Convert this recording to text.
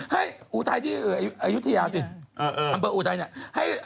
ให้อูไทยที่อายุทยาดิ